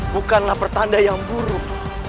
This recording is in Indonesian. bukanlah pertanda yang buruk